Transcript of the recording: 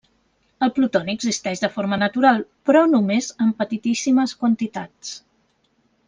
El plutoni existeix de forma natural però només en petitíssimes quantitats.